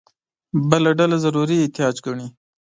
بله ډله ضروري احتیاج ګڼي.